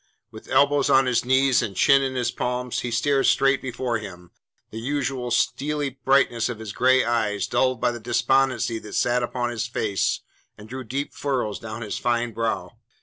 With elbows on his knees and chin in his palms he stared straight before him, the usual steely brightness of his grey eyes dulled by the despondency that sat upon his face and drew deep furrows down his fine brow.